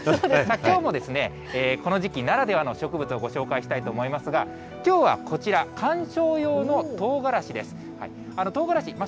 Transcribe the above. きょうもですね、この時期ならではの植物をご紹介したいと思いますが、きょうはこちら、観賞用のとうがらしです。